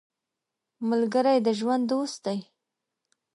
ملګری د ژوند دوست دی